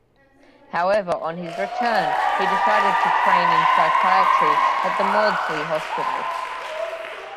However, on his return he decided to train in psychiatry at the Maudsley Hospital.